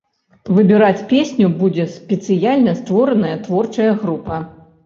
Выбіраць песню будзе спецыяльна створаная творчая група.